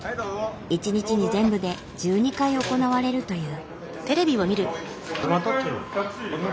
一日に全部で１２回行われるという。